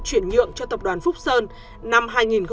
chuyển nhượng cho tập đoàn phúc sơn năm hai nghìn một mươi